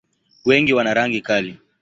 Wengi wana rangi kali.